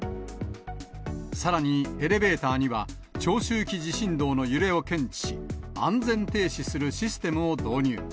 さらにエレベーターには、長周期地震動の揺れを検知し、安全停止するシステムを導入。